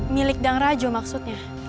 milik dang rajo maksudnya